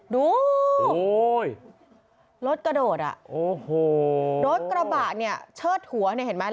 ดูโอ้โหรถกระโดดอ่ะโอ้โหรถกระบะเนี่ยเชิดหัวเนี่ยเห็นไหม